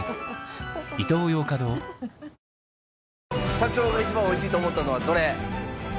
社長が一番美味しいと思ったのはどれ？